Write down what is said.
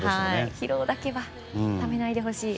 疲労だけはためないでほしい。